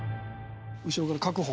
後ろから確保。